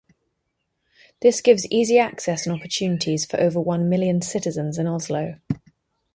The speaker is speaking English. This gives easy access and opportunities for over one million citizens in Oslo.